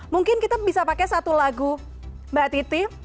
mungkin kita bisa pakai satu lagu mbak titi